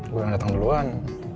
gue yang datang duluan